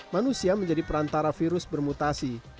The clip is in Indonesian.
manusia menjadi perantara virus bermutasi